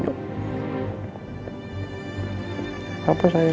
untuk kecil selalu bisa bikin bapak senyum